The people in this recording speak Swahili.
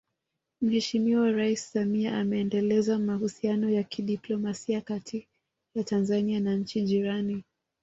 Mheshimiwa Rais Samia ameendeleza mahusiano ya kidiplomasia kati ya Tanzania na nchi jirani